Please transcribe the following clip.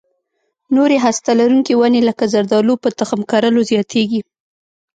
نورې هسته لرونکې ونې لکه زردالو په تخم کرلو زیاتېږي.